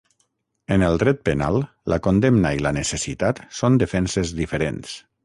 En el dret penal, la condemna i la necessitat són defenses diferents.